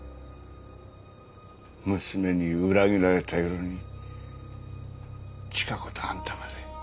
娘に裏切られた夜にチカ子とあんたまで。